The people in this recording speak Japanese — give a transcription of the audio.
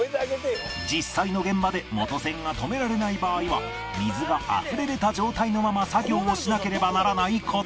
実際の現場で元栓が止められない場合は水があふれ出た状態のまま作業をしなければならない事も